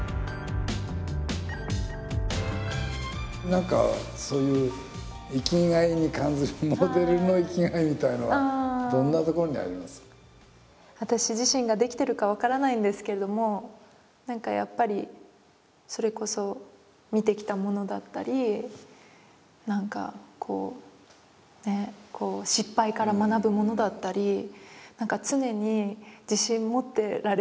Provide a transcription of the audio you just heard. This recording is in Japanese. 何かそういう生きがいに感じる私自身ができてるか分からないんですけれども何かやっぱりそれこそ見てきたものだったり何かこう失敗から学ぶものだったりやっぱり人間ってなま物だから